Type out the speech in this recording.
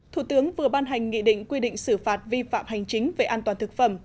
thủ tướng vừa ban hành nghị định quy định xử phạt vi phạm hành chính về an toàn thực phẩm